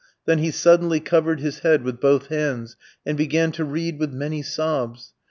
Then he suddenly covered his head with both hands, and began to read with many sobs.